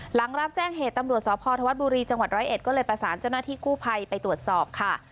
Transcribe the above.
หลังรับแจ้งเหตุตำรวจสพธวัฒนบุรีจังหวัดร้อยเอ็ดก็เลยประสานเจ้าหน้าที่กู้ภัยไปตรวจสอบค่ะ